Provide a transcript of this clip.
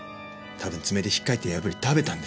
多分爪で引っかいて破り食べたんです。